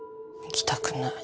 行きたくない。